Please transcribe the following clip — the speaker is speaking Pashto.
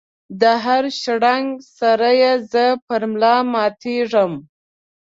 دهر شرنګ سره یې زه پر ملا ماتیږم